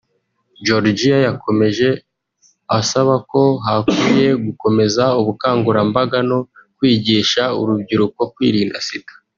Georigia yakomeje asaba ko hakwiye gukomeza ubukangurambaga no kwigisha urubyiruko kwirinda Sida